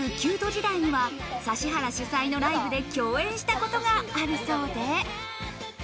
時代には指原主催のライブで共演したこともあるそうで。